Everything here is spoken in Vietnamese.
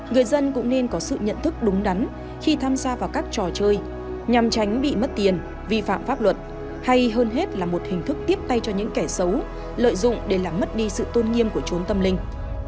người dân cũng nên có sự nhận thức đúng đắn khi tham gia vào các trò chơi nhằm tránh bị mất tiền vi phạm pháp luật hay hơn hết là một hình thức tiếp tay cho những kẻ xấu lợi dụng để làm mất đi sự tôn nghiêm của trốn tâm linh